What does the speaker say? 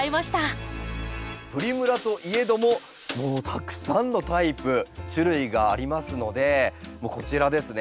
プリムラといえどももうたくさんのタイプ種類がありますのでもうこちらですね。